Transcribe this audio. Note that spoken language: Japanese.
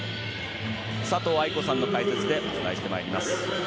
佐藤愛子さんの解説でお伝えしていきます。